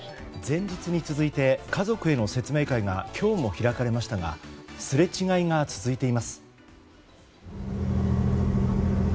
前日に続いて家族への説明会が今日も開かれましたがすれ違いが続いています。